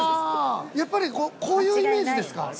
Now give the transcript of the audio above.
やっぱりこういうイメージですか？